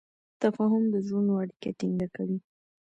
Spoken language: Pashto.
تفاهم د زړونو اړیکه ټینګه کوي.